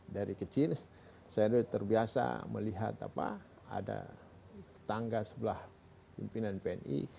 dari kecil saya sudah terbiasa melihat ada tangga sebelah pimpinan pni